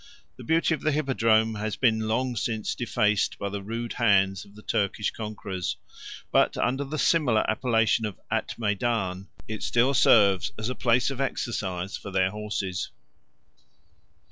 48 The beauty of the Hippodrome has been long since defaced by the rude hands of the Turkish conquerors; 4811 but, under the similar appellation of Atmeidan, it still serves as a place of exercise for their horses.